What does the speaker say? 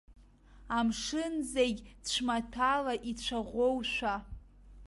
Амшын зегь цәмаҭәала ицәаӷәоушәа.